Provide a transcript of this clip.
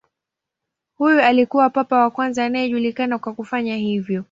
Huyu alikuwa papa wa kwanza anayejulikana kwa kufanya hivyo.